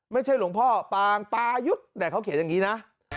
ไม่ใช่หลวงพ่อปางปายุทธ์แต่เขาเขียนอย่างนี้นะ